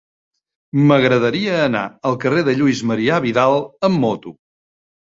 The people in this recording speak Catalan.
M'agradaria anar al carrer de Lluís Marià Vidal amb moto.